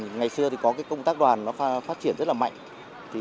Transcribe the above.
ngày xưa có công tác đoàn phát triển rất là mạnh